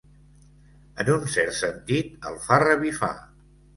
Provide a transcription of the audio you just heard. En un cert sentit, el fa revifar.